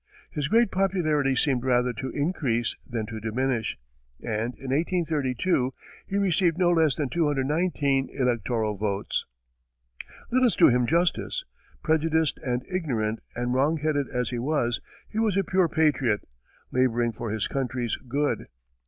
His great popularity seemed rather to increase than to diminish, and in 1832, he received no less than 219 electoral votes. [Illustration: JACKSON] Let us do him justice. Prejudiced and ignorant and wrong headed as he was, he was a pure patriot, laboring for his country's good.